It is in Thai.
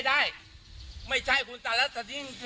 ที่เราก็สร้างให้ยุ่มชน